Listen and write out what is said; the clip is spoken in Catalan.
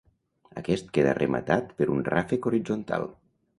Aquest queda rematat per un ràfec horitzontal.